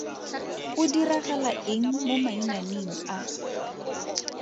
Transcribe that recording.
Go diragala eng mo mainaneng a?